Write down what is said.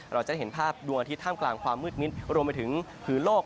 เราจะได้เห็นภาพดวงอาทิตยท่ามกลางความมืดมิดรวมไปถึงโลก